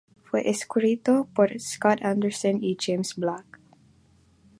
Fue escrito por Scott Anderson y James Black.